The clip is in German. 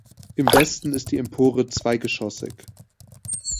Im Westen ist die Empore zweigeschossig.